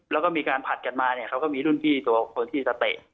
แล้วก็มีการผัดกันมาเนี่ยเขาก็มีรุ่นพี่ตัวคนที่จะเตะ